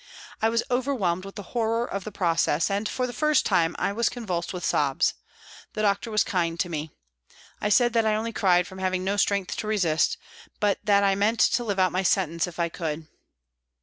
I was overwhelmed with the horror of the process, and for the first time I was convulsed with sobs. The doctor was kind to me. I said that I only cried from having no strength to resist, but that I meant to live out my sentence if I could.